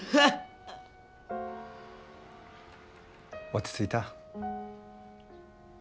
落ち着いた？